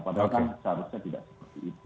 padahal kan seharusnya tidak seperti itu